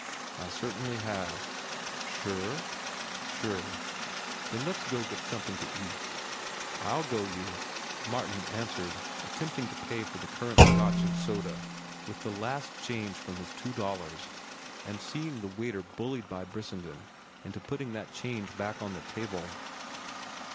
"I certainly have." "Sure?" "Sure." "Then let's go and get something to eat." "I'll go you," Martin answered, attempting to pay for the current Scotch and soda with the last change from his two dollars and seeing the waiter bullied by Brissenden into putting that change back on the table.